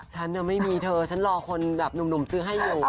ฉันไม่มีเธอฉันรอคนแบบหนุ่มซื้อให้อยู่